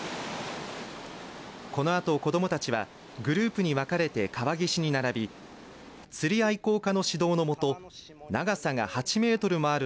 このあと子どもたちはグループに分かれて川岸に並び釣り愛好家の指導の下長さが８メートルもある